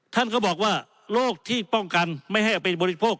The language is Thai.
ท่านก็บอกว่าโรคที่ป้องกันไม่ให้เอาไปบริโภค